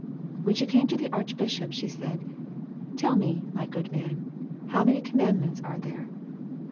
When she came to the Archbishop, she said, " Tell me, my good man, how many commandments are there?"